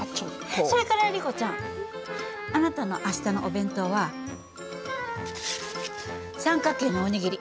それからリコちゃんあなたの明日のお弁当は三角形のお握り。